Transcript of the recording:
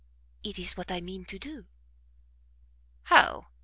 "It is what I mean to do." "How?